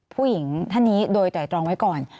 ผู้หญิงท่านนี้โดยไตรตรองไว้ก่อน